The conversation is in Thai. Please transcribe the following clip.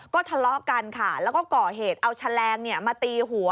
ก็ทะเลาะกันค่ะแล้วก็ก่อเหตุเอาแฉลงมาตีหัว